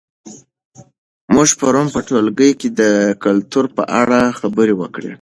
موږ پرون په ټولګي کې د کلتور په اړه خبرې وکړې.